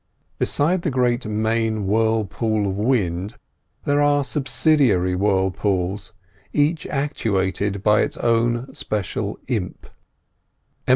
Beside the great main whirlpool of wind, there are subsidiary whirlpools, each actuated by its own special imp.